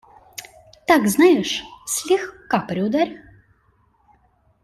Так, знаешь, слегка приударь.